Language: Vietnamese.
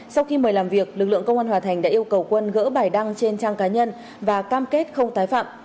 sau khi mời làm việc lực lượng công an hòa thành đã yêu cầu quân gỡ bài đăng trên trang cá nhân và cam kết không tái phạm